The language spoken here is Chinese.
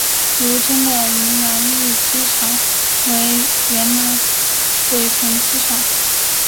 如今的云南驿机场实为原北屯机场。